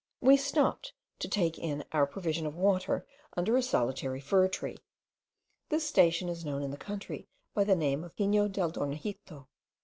We stopped to take in our provision of water under a solitary fir tree. This station is known in the country by the name of Pino del Dornajito.